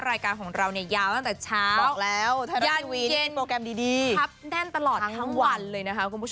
รายการของเรายาวตั้งแต่โปรแกรมดีปรับแน่นตลอดทั้งวันเลยนะค่ะ